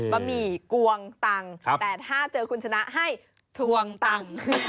บะหมี่กวงตังค์แต่ถ้าเจอคุณชนะให้ทวงตังค์